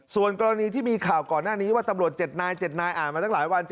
ส่วนกรณีที่มีข่าวก่อนหน้านี้ว่าตำรวจ๗นาย๗นายอ่านมาตั้งหลายวัน